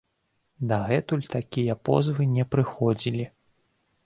Дагэтуль такія позвы не прыходзілі.